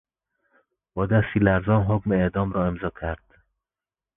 با دستی لرزان حکم اعدام را امضا کرد.